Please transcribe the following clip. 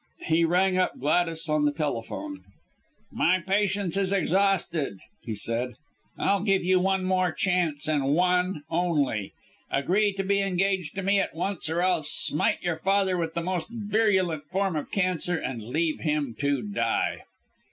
He rang up Gladys on the telephone. "My patience is exhausted," he said. "I'll give you one more chance, and one only. Agree to be engaged to me at once or I'll smite your father with the most virulent form of cancer, and leave him to die."